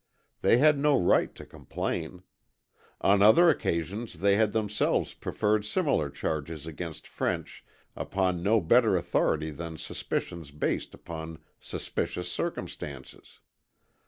They had no right to complain. On other occasions they had themselves preferred similar charges against French upon no better authority than suspicions based upon suspicious circumstances.